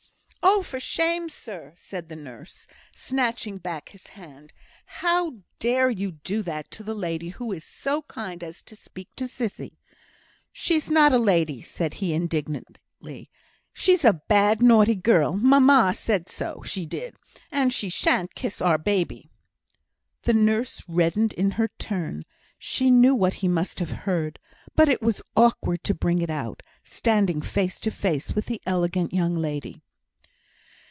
"Oh, for shame, sir!" said the nurse, snatching back his hand; "how dare you do that to the lady who is so kind as to speak to Sissy." "She's not a lady!" said he, indignantly. "She's a bad naughty girl mamma said so, she did; and she shan't kiss our baby." The nurse reddened in her turn. She knew what he must have heard; but it was awkward to bring it out, standing face to face with the elegant young lady.